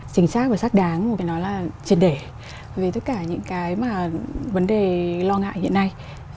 chính xác và xác đáng một cái nói là triệt để về tất cả những cái mà vấn đề lo ngại hiện nay